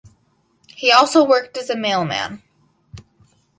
He also worked as a mailman.